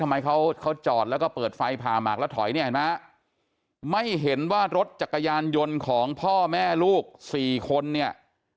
ทำไมเขาจอดแล้วก็เปิดไฟผ่าหมากแล้วถอยเนี่ยเห็นไหมไม่เห็นว่ารถจักรยานยนต์ของพ่อแม่ลูกสี่คนเนี่ย